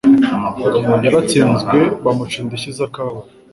Yaratsinzwe bamuca indishyi z'akababaro.